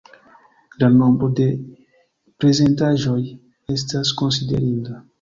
La nombro de prezentaĵoj estas konsiderinda.